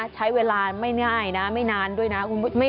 ใช้เวลาไม่ง่ายนะไม่นานด้วยนะ